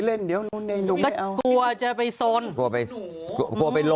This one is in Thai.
เหมือนชาวเวอร์